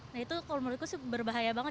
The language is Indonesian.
nah itu kalau menurutku sih berbahaya banget